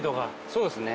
そうですね。